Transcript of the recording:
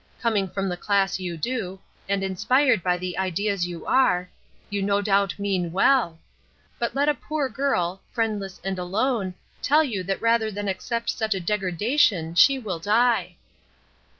Coming from the class you do, and inspired by the ideas you are, you no doubt mean well. But let a poor girl, friendless and alone, tell you that rather than accept such a degradation she will die."